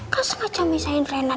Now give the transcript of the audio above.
kau sengaja misahin reina